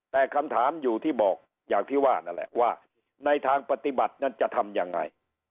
แต่คำถามอยู่ที่บอกอย่างที่ว่านั่นแหละว่าในทางปฏิบัตินั้นจะทำยังไง